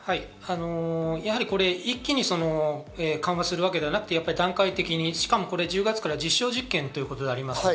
やはり、これ一気に緩和するわけではなくて、段階的に、しかも１０月から実証実験です。